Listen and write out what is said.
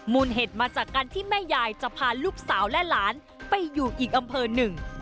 เหตุมาจากการที่แม่ยายจะพาลูกสาวและหลานไปอยู่อีกอำเภอหนึ่ง